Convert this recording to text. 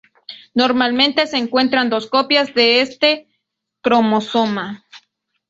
Normalmente se encuentran dos copias de este cromosoma.